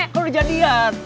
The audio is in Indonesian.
kalo udah jadian